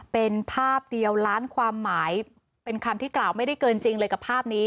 เป็นภาพเดียวล้านความหมายเป็นคำที่กล่าวไม่ได้เกินจริงเลยกับภาพนี้